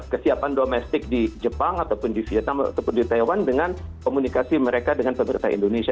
kesiapan domestik di jepang ataupun di vietnam ataupun di taiwan dengan komunikasi mereka dengan pemerintah indonesia